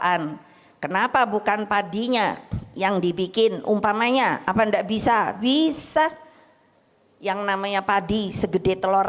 kenapa bukan padinya yang dibikin umpamanya apa enggak bisa bisa yang namanya padi segede telur